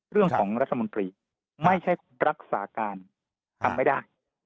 เรื่องของรัฐมนตรีไม่ใช่รักษาการทำไม่ได้